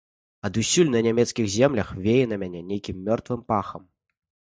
Адусюль на нямецкай зямлі вее на мяне нейкім мёртвым пахам.